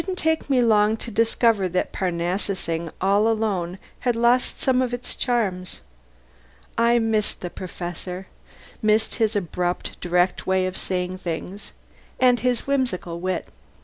It didn't take me long to discover that Parnassing all alone had lost some of its charms. I missed the Professor: missed his abrupt, direct way of saying things, and his whimsical wit.